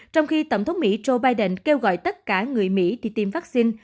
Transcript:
trong khi tổng thống mỹ joe biden kêu gọi tất cả người mỹ đi tiêm vaccine